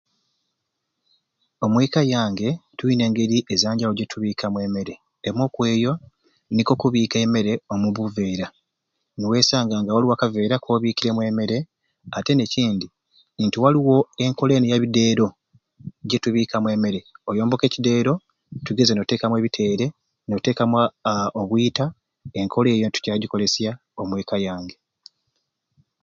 Omweka yange tulina engeri ezanjawulo gyetubikamu emere emwei okweyo niko okubiika emmere omu buveera niwesanga nga waliwo akaveera kobikiremu emmere ate nekyindi nti waliwo enkola eni eya bideero gyetubikamu emmere oyomboka ekyideero tugeze notekamu ebiteere notekamu aa obwita enkola eyo and tukyagikolesya omweka yange